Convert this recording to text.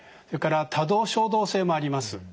それから多動・衝動性もあります。